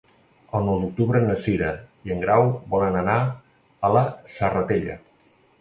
El nou d'octubre na Cira i en Grau volen anar a la Serratella.